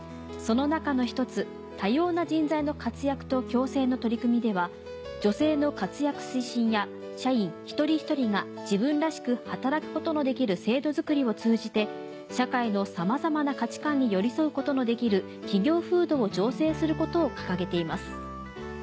その中の１つ「多様な人材の活躍と共生」の取り組みでは女性の活躍推進や社員一人一人が自分らしく働くことのできる制度作りを通じて社会のさまざまな価値観に寄り添うことのできる企業風土を醸成することを掲げています。